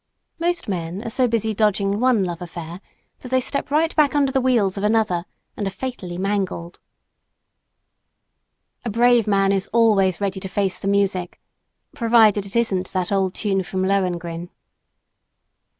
Most men are so busy dodging one love affair that they step right back under the wheels of another, and are fatally mangled. A brave man is always ready to "face the music" provided it isn't that old tune from Lohengrin.